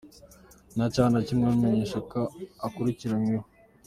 Nta cyaha na kimwe aramenyeshwa ko akurikiranyweho.